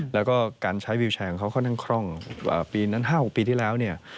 แล้วก็การใช้วิวแชร์ของเขาค่อนข้างคล่องปีนั้น๕๖ปีที่แล้วเนี่ย